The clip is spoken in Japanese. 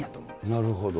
なるほど。